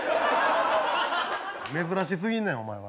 珍しすぎんねんお前は。